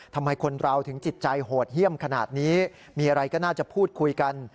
ทำไมคนเราถึงจิตใจโหดเยี่ยมขนาดนี้มีอะไรก็น่าจะพูดคุยกัน